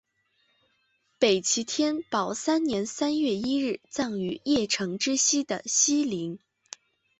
北齐天保三年三月一日葬于邺城之西的西陵。